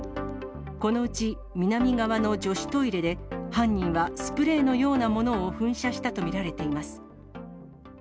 このうち南側の女子トイレで、犯人はスプレーのようなものを噴射したと見られています。